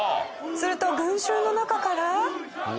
すると群衆の中から。